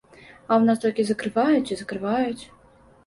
А ў нас толькі закрываюць і закрываюць.